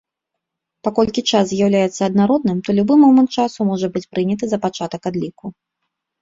Паколькі час з'яўляецца аднародным, то любы момант часу можа быць прыняты за пачатак адліку.